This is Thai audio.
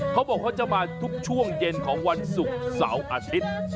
เขาจะมาทุกช่วงเย็นของวันศุกร์เสาร์อาทิตย์